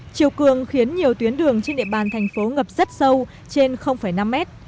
chiều cường khiến nhiều tuyến đường trên địa bàn thành phố ngập rất sâu trên năm mét